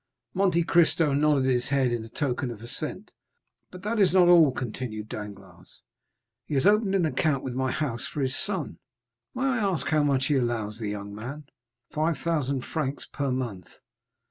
Monte Cristo nodded his head in token of assent. "But that is not all," continued Danglars; "he has opened an account with my house for his son." "May I ask how much he allows the young man?" "Five thousand francs per month."